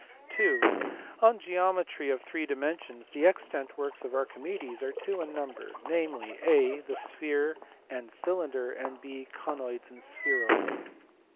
(ii) On geometry of three dimensions the extant works of Archimedes are two in number, namely, (a) the Sphere and Cylinder, and (b) Conoids and Spheroids.